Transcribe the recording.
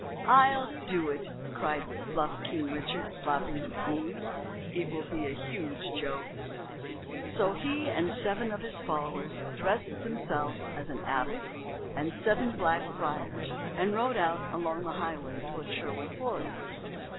"I'll do it," cried bluff King Richard, slapping his knee. "It will be a huge joke." So he and seven of his followers dressed themselves as an abbot and seven black friars and rode out along the highway toward Sherwood Forest.